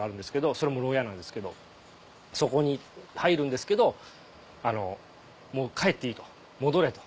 それも牢屋なんですけどそこに入るんですけど「もう帰っていい」と「戻れ」と。